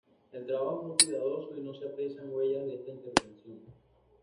El trabajo fue cuidadoso y no se aprecian huellas de esta intervención.